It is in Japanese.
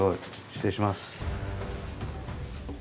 失礼します。